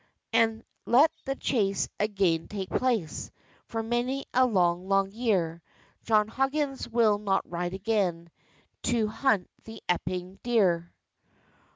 And let the chase again take place, For many a long, long year, John Huggins will not ride again To hunt the Epping Deer!